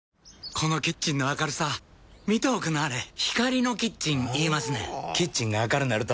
このキッチンの明るさ見ておくんなはれ光のキッチン言いますねんほぉキッチンが明るなると・・・